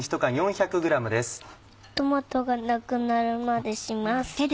トマトがなくなるまでします。